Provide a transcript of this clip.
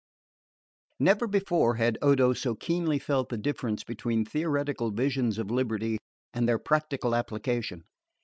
4.7. Never before had Odo so keenly felt the difference between theoretical visions of liberty and their practical application.